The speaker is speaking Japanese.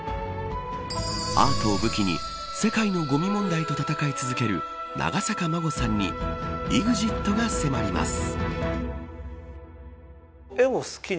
アートを武器に世界のごみ問題と闘い続ける長坂真護さんにＥＸＩＴが迫ります。